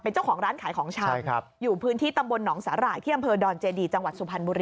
เป็นเจ้าของร้านขายของฉ่ำอยู่พื้นที่ตำบลหนองสาระที่ดอนเจดีจังหวัดสุพรรณมุรี